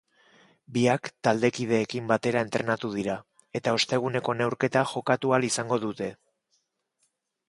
Biak taldekideekin batera entrenatu dira eta osteguneko neurketa jokatu ahal izango dute.